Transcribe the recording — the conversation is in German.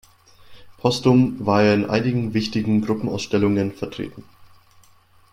Posthum war er in einigen wichtigen Gruppenausstellungen vertreten.